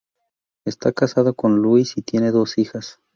Está casado con Louise y tiene dos hijas.